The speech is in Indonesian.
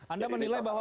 anda menilai bahwa